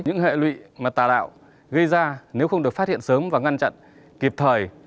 những hệ lụy mà tà đạo gây ra nếu không được phát hiện sớm và ngăn chặn kịp thời